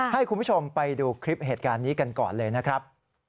ให้คุณผู้ชมไปดูคลิปเหตุการณ์นี้กันก่อนเลยนะครับ